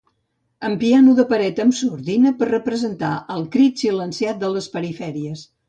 Amb piano de paret amb sordina, per representar el crit silenciat de les perifèries.